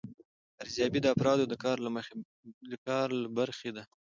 ارزیابي د افرادو د کار له برخې ده.